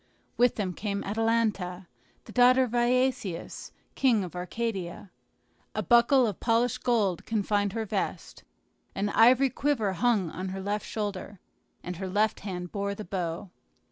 With them came Atalanta, the daughter of Iasius, king of Arcadia. A buckle of polished gold confined her vest, an ivory quiver hung on her left shoulder, and her left hand bore the bow.